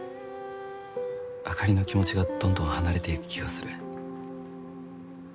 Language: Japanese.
あかりの気持ちがどんどん離れていく気がする